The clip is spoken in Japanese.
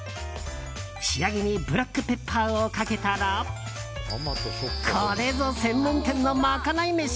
仕上げにブラックペッパーをかけたらこれぞ専門店の賄い飯。